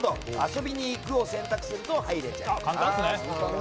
「遊びにいく」を選択すると入れちゃいます。